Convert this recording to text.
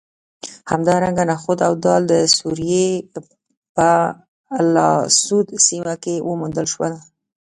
همدارنګه نخود او دال د سوریې په الاسود سیمه کې وموندل شول